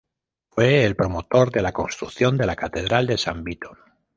Fue el promotor de la construcción de la catedral de San Vito.